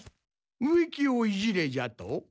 植木をいじれじゃと？